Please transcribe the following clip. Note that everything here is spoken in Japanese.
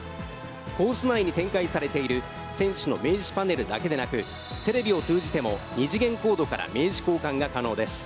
コース内に展開されている選手の名刺パネルだけでなく、テレビを通じても、二次元コードから名刺交換が可能です。